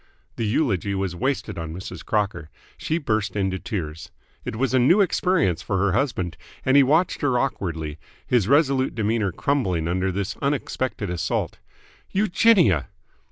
The eulogy was wasted on Mrs. Crocker. She burst into tears. It was a new experience for her husband, and he watched her awkwardly, his resolute demeanour crumbling under this unexpected assault. "Eugenia!"